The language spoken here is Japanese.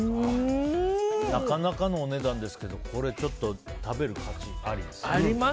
なかなかのお値段ですけどちょっと食べる価値ありですね。